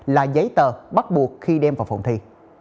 là giấy tờ bắt buộc khi đem vào phòng thi